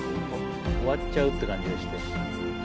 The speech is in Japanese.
終わっちゃうって感じがして。